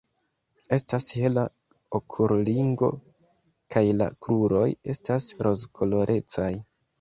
Estas hela okulringo kaj la kruroj estas rozkolorecaj.